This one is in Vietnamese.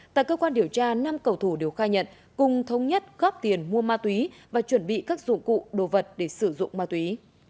tại cơ quan điều tra năm cầu thủ đều khai nhận cùng thống nhất góp tiền mua ma túy và chuẩn bị các dụng cụ đồ vật để sử dụng ma túy